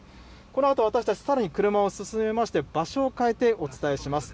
このあと私たち、さらに車を進めまして、場所を変えてお伝えします。